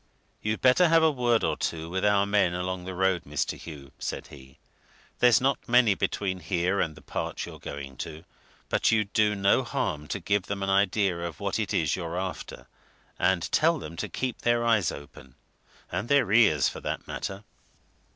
"You'd better have a word or two with our men along the road, Mr. Hugh," said he. "There's not many between here and the part you're going to, but you'd do no harm to give them an idea of what it is you're after, and tell them to keep their eyes open and their ears, for that matter."